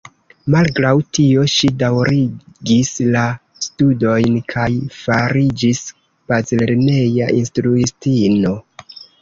Malgraŭ tio, ŝi daŭrigis la studojn kaj fariĝis bazlerneja instruistino.